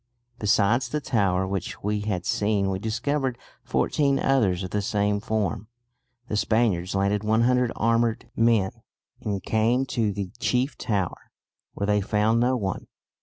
Besides the tower which we had seen we discovered fourteen others of the same form." The Spaniards landed 100 armed men, and came to the chief tower, where they found no one.